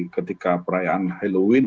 ketika perayaan halloween